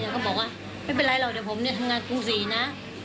ก็บอกว่าไม่เป็นไรหรอกเดี๋ยวผมเนี่ยทำงานกรุงศรีนะ